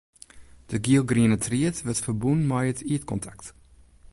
De gielgriene tried wurdt ferbûn mei it ierdkontakt.